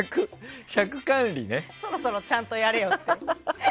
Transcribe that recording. そろそろちゃんとやれよって。